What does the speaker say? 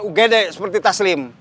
ugd seperti paslim